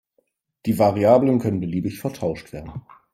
Die Variablen können beliebig vertauscht werden.